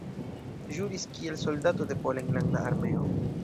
Ĵuris kiel soldato de Pola Enlanda Armeo.